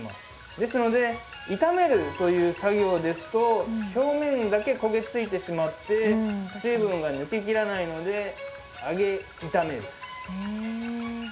ですので炒めるという作業ですと表面だけ焦げ付いてしまって水分が抜けきらないので揚げ炒める。